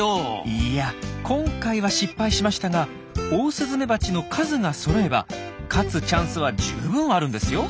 いや今回は失敗しましたがオオスズメバチの数がそろえば勝つチャンスは十分あるんですよ。